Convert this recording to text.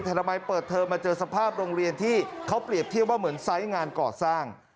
แต่ทำไมเปิดเทอมมาเจอสภาพโรงเรียนที่เขาเปรียบเทียบว่าเหมือนไซส์งานก่อสร้าง